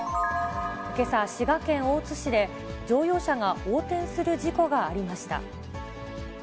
けさ、滋賀県大津市で乗用車が横転する事故がありました。